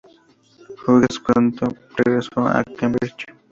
Hughes pronto regresó a Cambridge.